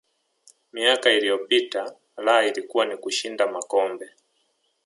miaka iliyopita raha ilikuwa ni kushinda makombe